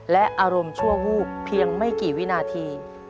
และอารมณ์ชั่ววูบเพียงไม่กี่วินาที